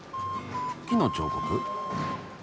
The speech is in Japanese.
木の彫刻？